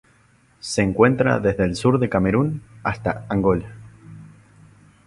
Se encuentra desde el sur del Camerún hasta Angola.